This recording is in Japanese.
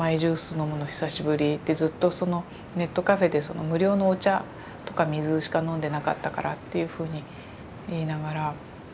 ずっとそのネットカフェで無料のお茶とか水しか飲んでなかったからっていうふうに言いながら。